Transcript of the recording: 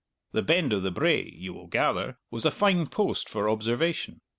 The Bend o' the Brae, you will gather, was a fine post for observation.